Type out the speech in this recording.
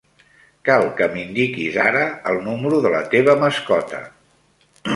Cal que m'indiquis ara el número de la teva mascota.